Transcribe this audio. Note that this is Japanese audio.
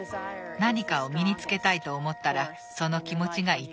「何かを身につけたいと思ったらその気持ちがいちばん大切。